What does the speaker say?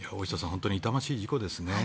本当に痛ましい事故ですね。